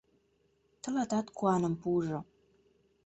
Тылатат куаным пуыжо».